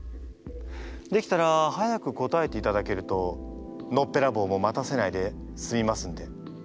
できたら早く答えていただけるとのっぺらぼうも待たせないですみますんで。